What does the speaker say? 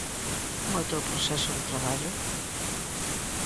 Como é o teu proceso de traballo?